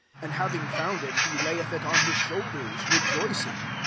5 And having found ity he layeth it on his shoulders, re joicing.